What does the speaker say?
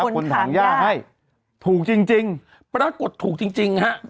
คนถามยาหลังให้ถูกจริงจริงปรากฏถูกจริงจริงครับ